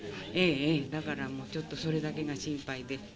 だからもう、ちょっとそれだけが心配で。